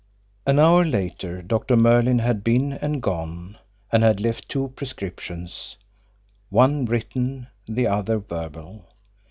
An hour later, Doctor Merlin had been and gone and had left two prescriptions; one written, the other verbal.